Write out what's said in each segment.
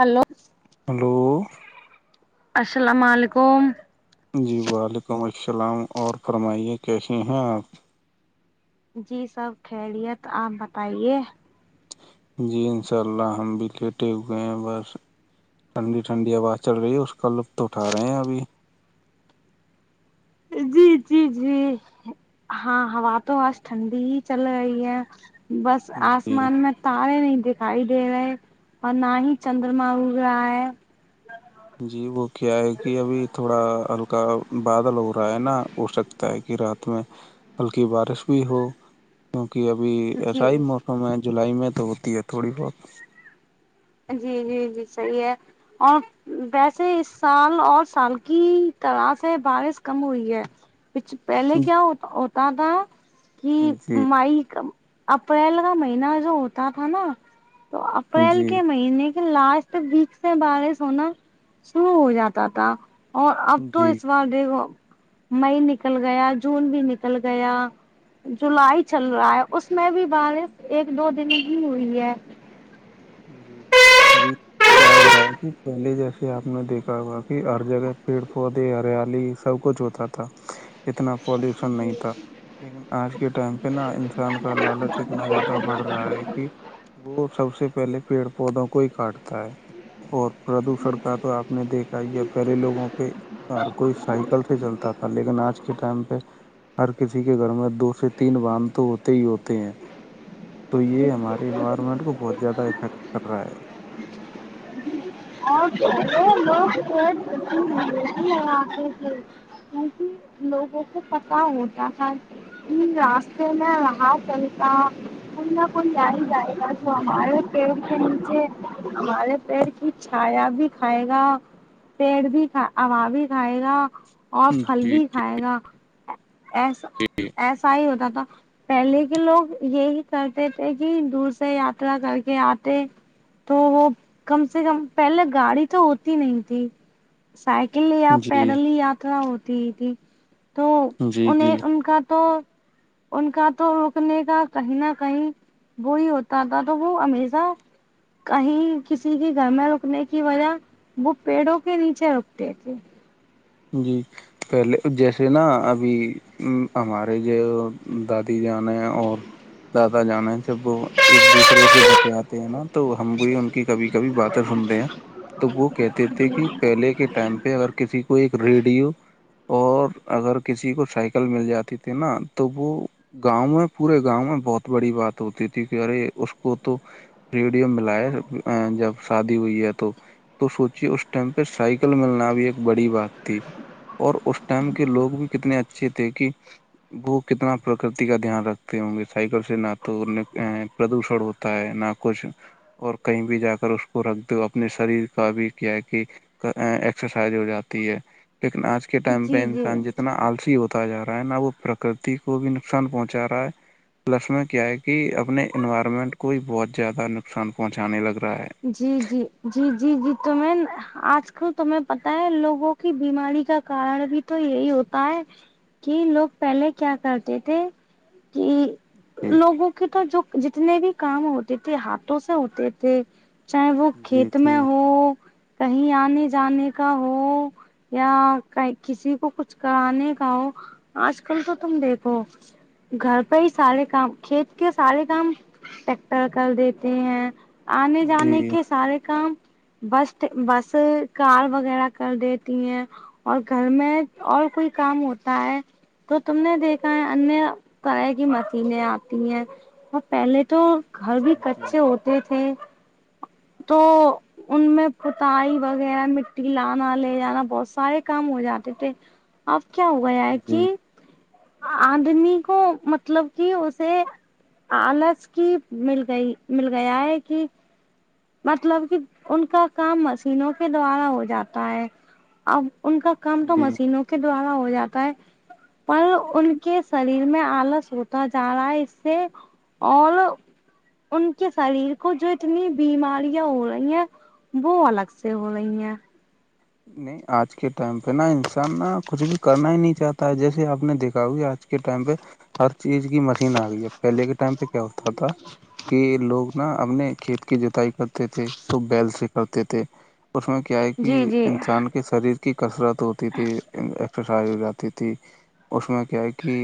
hello hello السلام علیکم جی وعلیکم السلام اور فرمائیے کیسے ہیں آپ جی سب خیلیت آپ بتائیے جی ان شاء اللہ ہم بھی لیٹے ہوئے ہیں بس ٹھنڈی ٹنڈی آواز چل رہی ہے اس کا لطف اٹھ رہے ہیں ابھی جی جی جی ہاں ہا تو آج ٹھنڈ ہی چل رہی ہے بس جی آسمان میں تارے نہیں دکھائی دے رہے اور نہ ہی چندرما ا رہا ہے جی وہ کیا ہے کہ ابھی تھوڑا ہلکا بادل ہو رہا ہے نا اسق ہے کہ رات میں بلکہ بارش بھی ہو کیونکہ ابھی ایسا ہی جی موسم ہے جولائی میں تو ہوتی ہے تھوڑی بہت جی جی جی صحیح ہے اور ویسے اس سال اور سال کی طرح سے بارش کم ہوئی ہے پچ پہلے کیا ہوتا ہوتا تھا کہ جی مائی کا اپریل کا مہینہ جو ہوتا تھا نا تو اپریل جی کے مہینے کے لاسٹ ویک سے بارش ہونا شروع ہو جاتا تھا اور اب تو جی اس بار دیکھو مئی نکل گیا جون بھی نکل گیا جولائی چل رہا ہے اس میں بھی بارش ایک دو دن ہی ہوئی ہے جی ابھی کیا ہو رہا ہے کہ پہلے جیسے آپ نے دیکھا ہوگا کہ ہر جگہ پیڑ پودے ہریالی سب کچھ ہوتا تھا اتنا پالوشن نہیں تھا لیکن آج کے ٹائم پہ نا انسان کا لالچ اتنا زیادہ بڑھ رہا ہے کہ وہ سب سے پہلے پیڑ پودوں کو ہی کاٹتا ہے اور پردوشن کا تو آپ نے دیکھا ہی ہے پہلے لوگوں پہ اور کوئی سائیکل سے چلتا تھا لیکن آج کے ٹائم پہ ہر کسی کے گھر میں دو سے تین باندھ تو ہوتے ہی ہوتے ہیں تو یہ ہمارے انوائرمنٹ کو بہت زیادہ افیکٹ کر رہا ہے [unintelligible] کیونکہ لوگوں کو پتا ہوتا تھا ہ اسےین ہلیتا کو نہ کوئی جاری جائے گ تو ہمارے پیڑ کے نیچے ہمارے پیڑ ک چھایا بھی کھائے گا پیڑ بھی ہا بھی کھائے گا اور ہے پھل جی بھی جی کھائے گا ایسا ایسا ہی ہوتا تھا پہلے کے لوگ یہی کرتے تھے کہ دور سے یاترا کر کے آتے تو وہ کم سے ک پہلے گاڑی تو ہوتی نہیں تھی سائیکل ل یا جی پیدل ل یا ہوتی تھی تو جی جی انیں ان کا تو ان کا تو رکنے کا کہیں نہ کہیں وہی ہوتا تھا تو وہ ہمیشہ کہیں کسی کے گھر میں رکنے کی وجہ وہ پیڑوں کے نیچے رکتے تھے جی پہلے جیسے نا ابھی ہمارے جو دادی جان ہیں اور دادا جانا ہے جب وہ ایک دوسرے سے بتے آتے ہیں نا تو ہم بھی ان کبھی کبھی باتیں سنتے ہیں تو وہ کہتے تھے کہ پہلے کے ٹائم پہ اگر کسی کو کو ایک ریڈیو اور اگر کسی کو سائیکل مل جاتی تھی نا تو وہ گاؤں میں پورے گاؤں میں بہت بڑی بات ہوتی تھی کہ ارے اس کو تو ریڈیو ملاائے جب شادی ہوئی ہے تو تو سوچیے اس ٹائم پہ سائیکل ملنا بھی ایک بڑی بات تھی اور اس ٹائم کے لوگ بھی کتنے اچھے تھے کہ وہ کتنا پرکرتی کا دھیان رکھتے ہوں گے سائیکل سے نہ تو پردوشن ہوتا ہے نہ کچھ اور کہیں بھی جا کر اس کو رکھ دو اپنے شریر کا بھی کیا ہے کہ ایکسرسائز ہو جاتی ہے لیکن آج کے ٹائم پہ جی جی انسان جتنا اتنا آلسی ہوتا جا رہا ہے نہ وہ پرکرتی کو بھی نقصان پہنچا رہا ہے پلس میں کیا ہے کہ اپنے انوائرمنٹ کو ہی بہت زیادہ نقصان پہنچانے لگ رہا ہے جی جی جی جی جی تو میں آج کل تومیں پتاہ ہے لوگوں کی بیماری کا کارن بھی تو یہی ہوتا ہے کہ لوگ پہلے کیا کرتے تھے کہ جی لوگوں کے تو جو جتنے بھی کام ہوتے تھے ہاتھوں سے ہوتے تھے چاہے وہ جی کھیت میں جی ہو کہیں آنے جانے کا ہو یا کسی کو کچھ کرانے کا ہو آج کل تو تم دیکھو گھر پہ ہی سارے کام کھیت کے سارے کام ٹیکٹر کر دیتے ہیں آنے جانے جی کے سارے کام بس بس کار وغیرہ کر دیتی ہیں اور گھر میں اور کوئی کام ہوتا ہے تو تم نے دیکھا ہے انیہ طح کی مشینیں آتی ہیں ہاں پہلے تو گھر بھی کچے ہوتے تھے تو ان میں پتائی وغیرہ مٹی لانا لے جانا بہت سارے کام ہو جاتے تھے اب کیا ہو گیا ہے کہ آدمی کو مطلب کہ اسے آالس کی مل گئی مل گیا ہے کہ مطلب کہ ان کا کام مشینوں کے دوارا ہو جاتا ہے اب ان کا کام تو جی مشینوں کے دوارا ہو جاتا ہے پر ان کے شریر میں آلس ہوتا جا رہا ہے اس سے اور ان کے شریر کو جو اتنی بیماریاں ہو رہی ہیں وہ الگ سے ہو رہی ہیں نہیں آج کے ٹائم پہ نا انسان نا کچھ بھی کرنا ہی نہیں چاہتا جیسے آپ نے دیکھا ہوگی آج کے ٹائم پہ ہر چیز کی مشین آ گئی ہے پہلے کے ٹائم پہ کیا ہوتا تھا کہ لوگ نا اپنے کھیت کی جتائی کرتے تھے تو بیل سے کرتے تھے اس میں کیا ہے کہ جی جی انسان کے شریر کی کسرت ہوتی تھی سائی ہو جاتی تھی اس میں کیا ہے کہ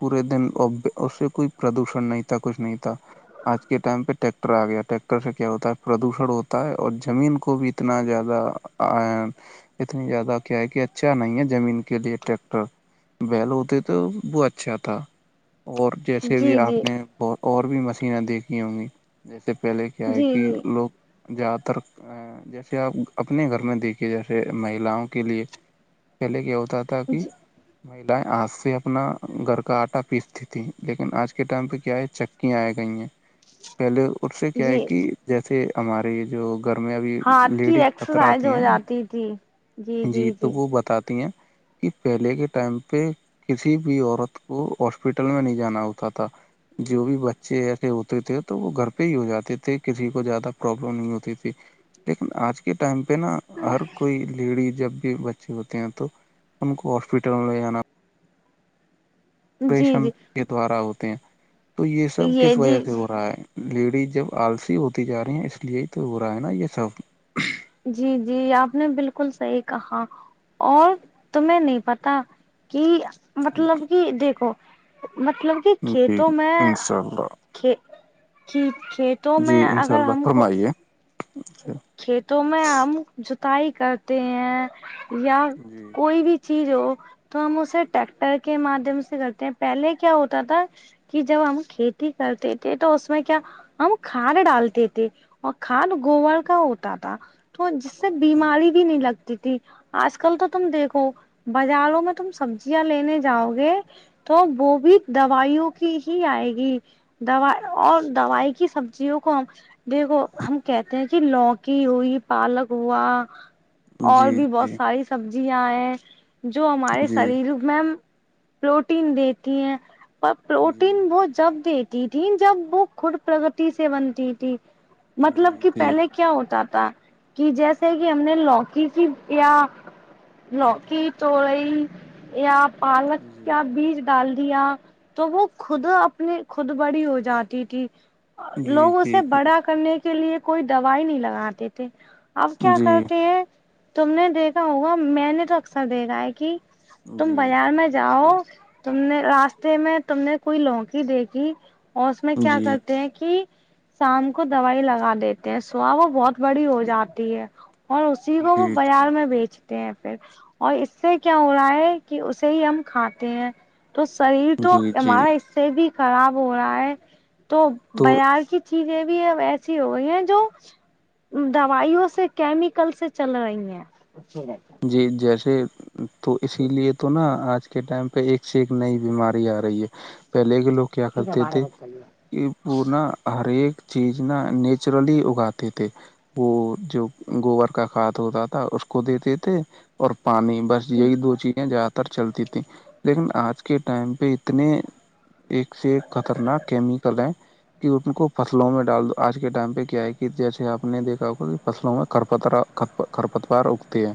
پورے دن اس سے کوئی پردوشن نہیں تھا کچھ نہیں تھا آج کے ٹائم پہ ٹیکٹر آ گیا ٹیکٹر سے کیا ہوتا ہے پردوشن ہوتا ہے اور زمین کو بھی اتنا زیادہ اتنی زیادہ کیا ہے کہ اچھا نہیں ہے زمین کے لیے ٹریکٹر بیل ہوتے تھے وہ اچھا تھا اور جیسے بھی جی آپ جی نے اور بھی مشینیں دیکھی ہوں گی جیسے پہلے کیا ہے جی کہ جی لوگ زیادہ تر جیسے آپ اپنے گھر میں دیکھیے جیسے مہیلاؤوں کے لیے پہلے کیا ہوتا تھا کہ جی مہیلائیں آج سے اپنا گھر کا آٹا پیستتی تھیں لیکن آج کے ٹائم پہ کیا ہے چکیاں آئے گئی ہیں ج پہلے اس سے کیا ہے جی کہ جیسے ہمارے جو گھر میں ابھی ہاتھ کی لیڈیز بترا ایکسرسائز ہو ہیں نا جاتی تھی جی تو وہ بتاتی ہیں کہ پہلے کے ٹائم پہ کسی بھی عورت کو ہاسپٹل میں نہیں جانا ہوتا تھا جو بھی بچے ایسے ہوتے تھے تو وہ گھر پہ ہی ہو جاتے تھے کسی کو زیادہ پرابلم نہیں ہوتی تھی لیکن آج کے ٹائم پہ نا ہر کوئی لیڈی جب بھی بچے ہوتے ہیں تو ان کو ہاسپٹل لے جانا جی پریشن جی کے دوارا ہوتے ہیں تو یہ سب یہ کس وجہ جی سے ہو رہا ہے لیڈیز جب آلسی ہوتی جا رہی ہیں اس لیے تو ہو رہا ہے نا یہ سب جی جی آپ نے بالکل صحیح کہا اور تمہیں نہیں پتا کہ مطلب کہ دیکھو مطلب کہ جی کھیتوں میں انشاء اللہ ک ک کھیتوں جی میں انشاء اگر اللہ ہم کو فرمائیے کھیتوں میں ہم جتائی کرتے ہیں یا جی کوئی بھی چیز ہو تو ہم اسے ٹریکٹر کے مادھیم سے کرتے ہیں پہلے کیا ہوتا تھا کہ جب ہم کھیتی کرتے تھے تو اس میں کیا ہم کھان ڈالتے تھے اور کھاد گور کا ہوتا تھا تو جس سے جی بیماری بھی نہیں لگتی تھی آج کل تو تم دیکھو بازالوں میں تم سبزیاں لینے جاؤ گے تو وہ بھی دوائیوں کی ہی آئے گی دو اور دوائی کی سبزیوں کو ہم دیکھو ہم کہتے ہیں کہ لوکی ہوئی پالک ہوا اور جی بھی بہت ساری سبزیاں ہیں جو ہمارے جی شریر میم پروٹین دیتی ہیں پر جی پروٹین وہ جب دیتی تھی جب وہ کٹ پرگتی سے بنتی تھی مطلب جی جی کہ جی پہلے کیا ہوتا تھا کہ جیسے کہ ہم نے لوکی کی یا لوکی چڑئی یا پالک جی کایا بیج ڈال دیا تو وہ خود اپنی خود بڑی ہو جاتی تھی جی لوگ اسے جی بڑا کرنے کے کے لیے کوئی دوائی نہیں لگاتے تھے اب کیا کرتے ہیں تم نے دیکھا ہوگا میں نے تو اکثر دیکھا ہے کہ تم جی بازار میں جاؤ تم نے راستے میں تم نے کوئی لوکی دیکھی اور اس میں کیا جی جی جی کرتے ہیں کہ شام کو دوائی لگا دیتے ہیں سوا وہ بہت بڑی ہو جاتی ہے اور اسی کو وہ جی جی بازار میں بیچ پھر اور اس سے کیا ہو رہا ہے کہ اسے ہی ہم کھاتے ہیں تو شریر تو جی جی ہمارا اس سے بھی خراب ہو رہا ہے تو بار کی چیزیں بھی ہیں ویسی ہو گئی ہیں جو دوائیوں سے کیمیکل سے چل رہی ہیں جی جیسے تو اسی لیے تو نا آج کے ٹائم پہ ایک سے ایک نئی بیماری آ رہی ہے پہلے کے لوگ کیا کرتے تھے کہ وہور نا ہر ایک چیز نا نیچرلی اگاتے تھے وہ جو گوبر کا کھاد ہوتا تھا اس کو دیتے تھے تھ اور پانی بس یہی دو چیزیں جات چلتی تھی لیکن آج کے ٹائم پہ اتنے ایک سے ایک خطرناک کیمیکل ہے کہ ان کو فصلوں میں ڈال دو آج کے ٹائم پہ کیا ہے کہ جیسے آپ نے دیکھا ہوگا کہ فصلوں میں کرپترا ختپ خرپتوار اکتی ہے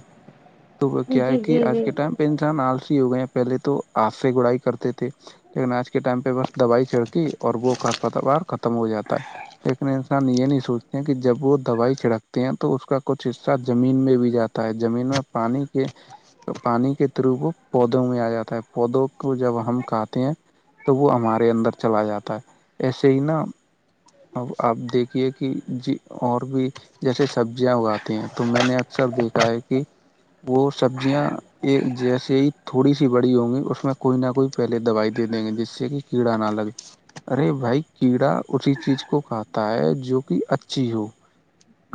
تو وہ کیا ہے جی کہ جی آج جی کے ٹائم پہ انسان آلسی ہو گئے ہیں پہلے تو آپ سے گڑائی کرتے تھے لیکن آج کے ٹائم پہ بس دوائی چھڑتی اور وہ ک پتوار ختم ہو جاتا ہے لیکن یہ نہیں سوچتے ہیں کہ جب وہ دوائی چھڑکتے ہیں تو اس کا کچھ حصہ زمین میں بھی جاتا ہے زمین میں پانی کے تو پانی کے تھرو وہ پودوں میں آ جاتا ہے پودوں کو جب ہم کھاتے ہیں تو وہ ہمارے اندر چلا جاتا ہے ایسے ہی نا اب آپ دیکھیے کہ ج اور بھی جیسے سبزیاں اگاتی ہیں تو میں نے اکثر دیکھا ہے کہ وہ سبزیاں ایک جیسے ہی تھوڑی سی بڑی ہوں گی اس میں کوئی نہ کوئی پہلے دوائی دے دیں گے جس سے کہ کیڑا نہ لگے ارے بھائی کیڑا اسی چیز کو کھاتا ہے جو کہ اچھی ہو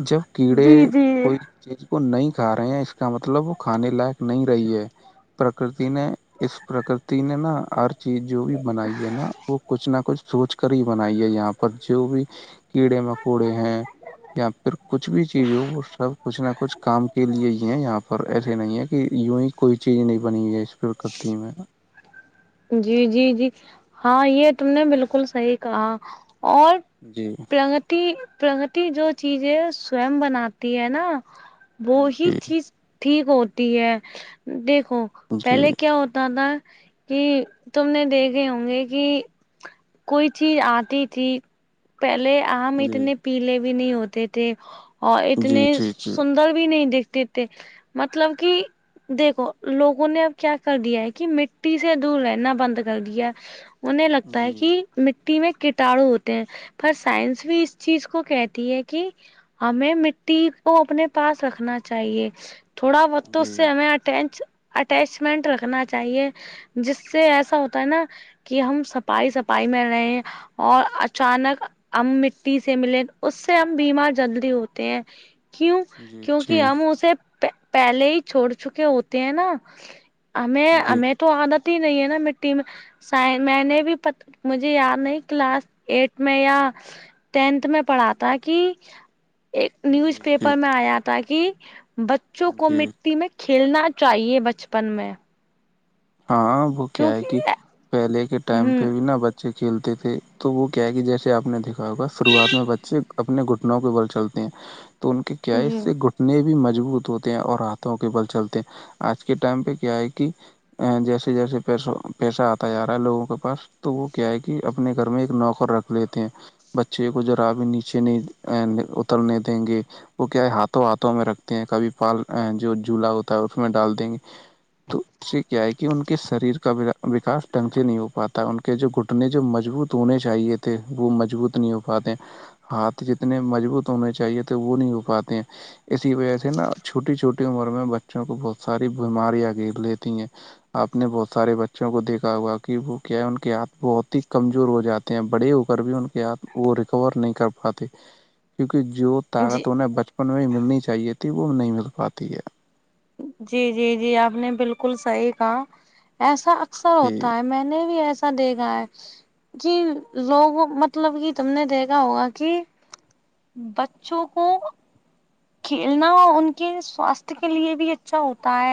جب کیڑے جی جی کوئی چیز کو نہیں کھا رہے ہیں اس کا مطلب وہ کھانے لائق نہیں رہی ہے پرکرتی نے اس پرکرتی نے نا ہر چیز جو بھی بنائی ہے نا وہ کچھ نہ کچھ سوچ کر ہی بنائیے یہاں پر جو بھی کیڑے مکوڑے ہیں یا پھر کچھ بھی چیز ہو وہ سب کچھ نہ کچھ کام کے لیے ہی یہاں پر ایسے نہیں ہے کہ ی ہی کوئی چیز نہیں بنی ہے اس پ کرتی میں جی جی جی ہاں یہ تم نے بالکل صحیح کہا اور جی پرگتی پرگتی جو چیز ہے سوئم بناتی ہے نا وہ ہی جی چیز ٹھیک ہوتی ہے دیکھو جی پہلے کیا ہوتا تھا کہ تم نے دیکھے ہوں گے کہ کوئی چیز آتی تھی پہلے ہم جی اتنے پیلے بھی نہیں ہوتے تھے اور اتنے جی جی سندر بھی نہیں دکھتے مطلب کہ دیکھو لوگوں نے اب کیا کر دیا ہے کہ مٹی سے دور رہنا بند کر دیا ہونے لگتا ہے کہ جی مٹی میں کٹاڑو ہوتے ہیں پر سائنس بھی اس چیز کو کہتی ہے کہ ہمیں مٹی کو اپنے پاس رکھنا چاہیے تھوڑا بقت اس سے جی جی ہمیں اٹینچ اٹیچمنٹ رکھنا چاہیے جس سے ایسا ہوتا ہے نا کہ ہم سفائی سف پائی میں رہے اور اچانک ہم مٹی سے ملے اس سے ہم بیمار جلدی ہوتے ہیں کیوں کیوںک جی ہم اسے پہلے ہی چھوڑ چکے ہوتے ہیں نا ہمیں جی ہمیں تو عادت ہی نہیں ہے نا مٹی میں میں نے بھی مجھے یاد نہیں کلاس ایٹ میں یا ٹینتھ میں پڑھا تھا کہ ایک نیوز جی جی پیپر میں آیا تھا کہ بچوں کو م جی میں کھیلنا چاہیے بچپن میں ہاں وہ کیا ہے کہ کیونکہ پہلے کے ٹائم پہ ہ بھی نہا ب کھیلتے تھے تو وہ کیا ہے کہ جیسے آپ نے دیکھا ہوگا شروعات میں بچے اپنے گ کے بل چلتے ہیں تو ان کے کیا جی اس سے گٹ اپتنے بھی مجبوط ہوتے ہیں اور ہاتھوں کے بل چلتے ہیں آج کے ٹائم پہ کیا ہے کہ جیسے جیسے پیسوں پیسہ آتا جا رہا ہے لوگوں کے پاس تو وہ کیا ہے کہ اپنے گھر میں ایک نوکر رکھ لیتے ہیں بچے کو جذرا بھی نیچے نہیں اترنے دیں گے وہ کیا ہے ہاتھوں ہاتھوں میں رکھتے ہیں کبھی پال جو جھولا ہوتا ہے اس میں ڈال دیں گے تو س کیا ہے کہ ان کے شریر کا وکاس ڈھنگ سے نہیں ہو پاتا ان کے جو گھٹنے جو مضبوط ہونے چاہیے تو وہ مضبوط نہیں ہو پاتے ہاتھ جتنے مضبوط ہونے چاہیے تھے وہ نہیں ہو پاتے ہیں اسی وجہ سے نا چھوٹی چھوٹی عمر میں بچوں کو بہت ساری بیماریاں گر لیتی ہیں آپ نے بہت سارے بچوں کو دیکھا ہوا کہ وہ کیا ہے ان کے ہاتھ بہت ہی کمزور ہو جاتے ہیں بڑے ہو کر بھی ان کے ہاتھ وہ ریکور نہیں کر پاتے کیونکہ جو جی طاقت انہیں بچپن میں ہی ملنی چاہیے تھی وہ بھی نہیں مل پاتی ہے جی جی جی آپ نے بالکل صحیح کہا ایسا اکثر جی ہوتا ہے میں نے بھی ایسا دیکھا ہے کہ لوگوں مطلب کہ تم نے دیکھا ہوگا کہ بچوں کو کھیلنا ان کے سواستھ کے لیے بھی اچھا ہوتا ہے